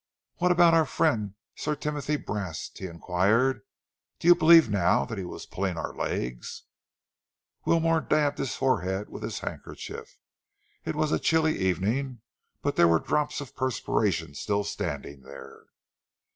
"What about our friend Sir Timothy Brast?" he enquired. "Do you believe now that he was pulling our legs?" Wilmore dabbed his forehead with his handkerchief. It was a chilly evening, but there were drops of perspiration still standing there.